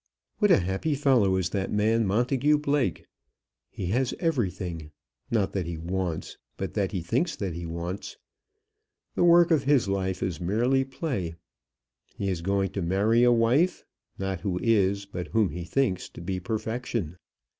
"What a happy fellow is that man Montagu Blake! He has every thing, not that he wants, but that he thinks that he wants. The work of his life is merely play. He is going to marry a wife, not who is, but whom he thinks to be perfection.